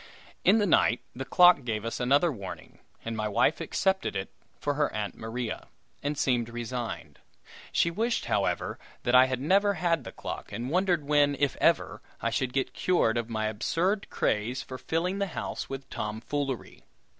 In the night the clock gave us another warning, and my wife accepted it for her Aunt Maria, and seemed resigned. She wished, however, that I had never had the clock, and wondered when, if ever, I should get cured of my absurd craze for filling the house with tomfoolery.